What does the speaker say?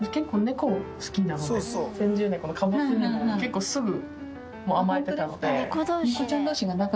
先住ネコのかぼすにも結構すぐ甘えてたので。